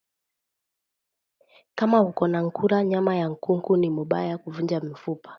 Kama uko na kula nyama ya nkuku ni mubaya kuvunja mufupa